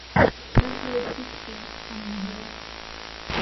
Нас ділить фікція, а не могила.